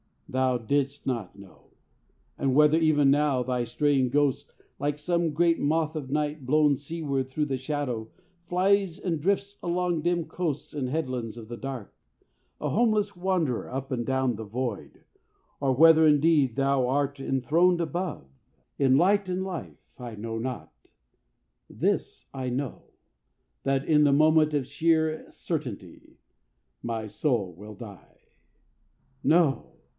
Thou didst not know. And whether even now Thy straying ghost, like some great moth of night Blown seaward through the shadow, flies and drifts Along dim coasts and headlands of the dark, A homeless wanderer up and down the void, Or whether indeed thou art enthroned above In light and life, I know not. This I know That in the moment of sheer certainty My soul will die. "No!